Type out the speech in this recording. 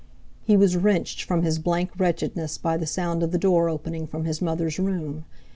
He was wrenched from his blank wretchedness by the sound of the door opening from his mother's room.